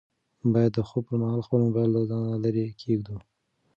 باید د خوب پر مهال خپل موبایل له ځانه لیرې کېږدو.